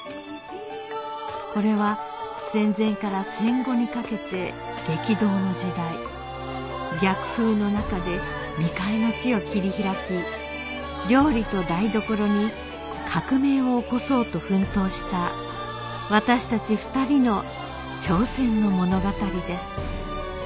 これは戦前から戦後にかけて激動の時代逆風の中で未開の地を切り開き料理と台所に革命を起こそうと奮闘した私たち２人の挑戦の物語です